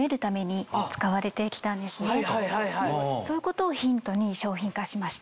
そういうことをヒントに商品化しました。